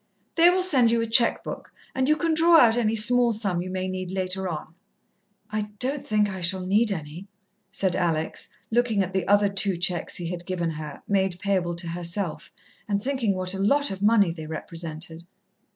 "They will send you a cheque book, and you can draw out any small sum you may need later on." "I don't think I shall need any," said Alex, looking at the other two cheques he had given her, made payable to herself, and thinking what a lot of money they represented.